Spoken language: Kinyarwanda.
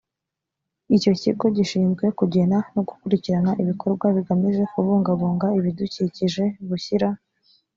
icyo kigo gishinzwe kugena no gukurikirana ibikorwa bigamije kubungabunga ibidukikije gushyira